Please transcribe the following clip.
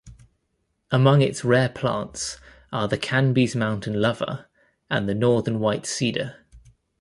Among its rare plants are the Canby's mountain lover and the northern white cedar.